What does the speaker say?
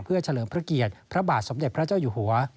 เพื่อเฉลิมพระเกียรติพระบาทสมเด็จพระเจ้าอยู่หัว